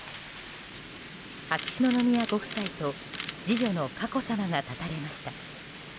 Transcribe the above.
秋篠宮ご夫妻と次女の佳子さまが立たれました。